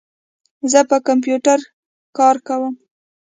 زه په کمپیوټر کار کوم.